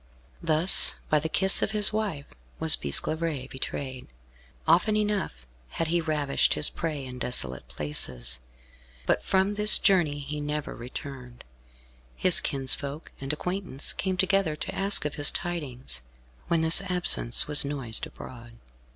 Thus, by the kiss of his wife, was Bisclavaret betrayed. Often enough had he ravished his prey in desolate places, but from this journey he never returned. His kinsfolk and acquaintance came together to ask of his tidings, when this absence was noised abroad.